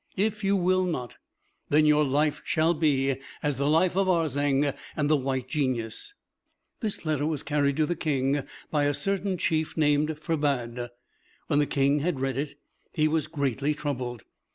If you will not, then your life shall be as the life of Arzeng and the White Genius." This letter was carried to the King by a certain chief named Ferbad. When the King had read it, he was greatly troubled.